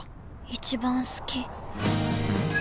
一番好き